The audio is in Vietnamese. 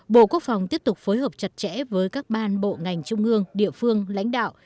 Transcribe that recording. bộ quốc phòng tiếp tục phối hợp chặt chẽ với các ban bộ ngành trung ương địa phương lãnh đạo